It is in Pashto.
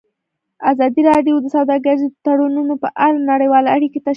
ازادي راډیو د سوداګریز تړونونه په اړه نړیوالې اړیکې تشریح کړي.